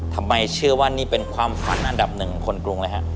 ทำไมเชื่อว่านี่เป็นความฝันอันดับ๑ของคนกรุงเลยฮะ